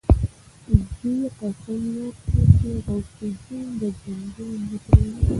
دوی قسم ياد کړ چې غوث الدين به ژوندی نه پريږدي.